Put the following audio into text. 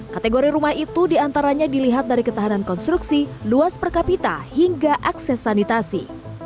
kategori rumah itu diantaranya dilihat dari ketahanan konstruksi luas per kapita hingga akses sanitasi